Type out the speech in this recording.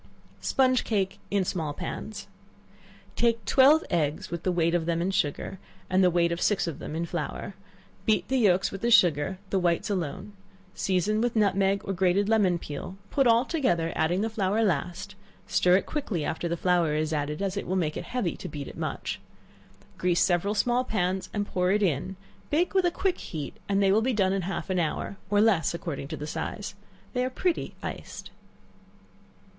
Sponge Cake in Small Pans. Take twelve eggs, with the weight of them in sugar, and the weight of six of them in flour; beat the yelks with the sugar, the whites alone; season with nutmeg or grated lemon peel; put all together, adding the flour the last; stir it quickly after the flour is added, as it will make it heavy to beat it much; grease several small pans and pour it in, bake with a quick heat, and they will be done in half an hour, or less, according to the size. They are pretty iced.